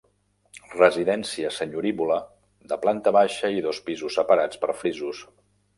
Residència senyorívola de planta baixa i dos pisos separats per frisos.